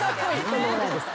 とんでもないです。